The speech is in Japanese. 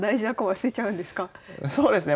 そうですね。